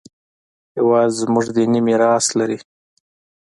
هېواد زموږ دیني میراث لري